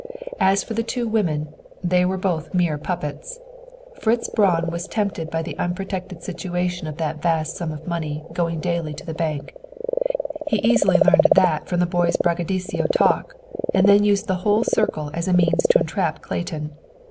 "As for the two women, they were both mere puppets! Fritz Braun was tempted by the unprotected situation of that vast sum of money going daily to the bank. He easily learned that from the boy's braggadocio talk, and then used the whole circle as a means to entrap Clayton.